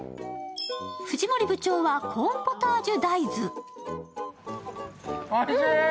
藤森部長はコーンポタージュ大豆。